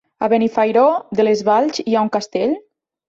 A Benifairó de les Valls hi ha un castell?